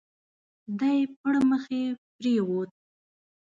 دی پړمخي پرېووت.